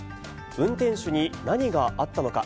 運転手に何があったのか。